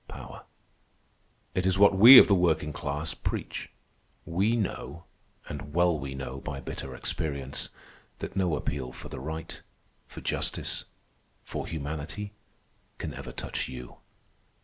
Power. It is what we of the working class preach. We know, and well we know by bitter experience, that no appeal for the right, for justice, for humanity, can ever touch you.